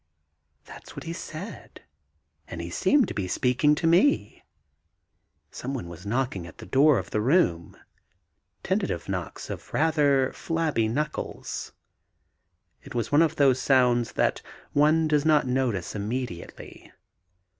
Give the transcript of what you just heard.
That's what he said, and he seemed to be speaking of me. Some one was knocking at the door of the room tentative knocks of rather flabby knuckles. It was one of those sounds that one does not notice immediately.